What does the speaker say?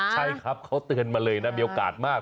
ใช่ครับเขาเตือนมาเลยนะมีโอกาสมาก